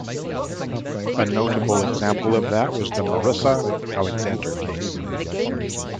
A notable example of that was the Marissa Alexander case.